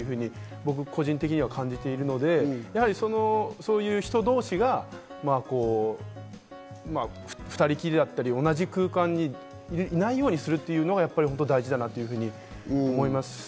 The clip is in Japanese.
確率はかなり上がるんじゃないかなと個人的には感じているので、そういう人同士が２人きりだったり、同じ空間にいないようにするというのが本当に大事だなと思いますし。